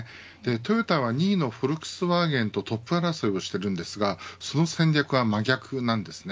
トヨタは２位のフォルクスワーゲンとトップ争いをしているんですがその戦略は真逆なんですね。